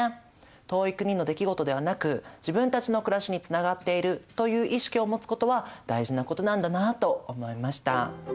「遠い国のできごと」ではなく「自分たちの暮らし」につながっているという意識を持つことは大事なことなんだなと思いました。